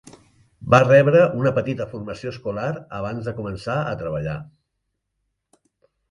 Va rebre una petita formació escolar abans de començar a treballar.